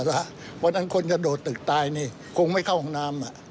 เพราะฉะนั้นคนจะโดดตึกตายนี่คงไม่เข้าห้องน้ำ